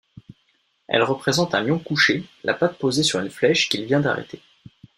Elle représente un lion couché, la patte posée sur une flèche qu'il vient d'arrêter.